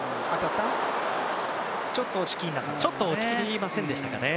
今のは、ちょっと落ち切りませんでしたかね。